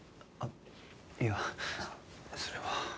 あっいやそれは。